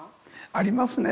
ありますね